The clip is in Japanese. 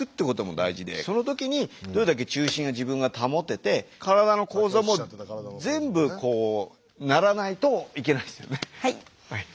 その時にどれだけ重心が自分が保てて体の構造も全部こうならないといけないですよね？